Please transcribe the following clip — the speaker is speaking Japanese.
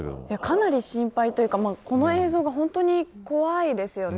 かなり心配というかこの映像が本当に怖いですよね。